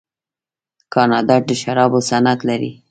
کاناډا د شرابو صنعت لري.